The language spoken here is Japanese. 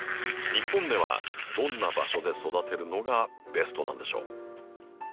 日本ではどんな場所で育てるのがベストなんでしょう？